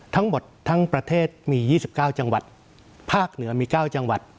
ทั้งหมดทั้งประเทศมี๒๙จังหวัดภาคเหนือมี๙จังหวัด